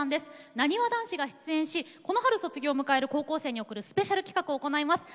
なにわ男子が出演しこの春卒業を迎える高校生に贈るスペシャル企画を行います。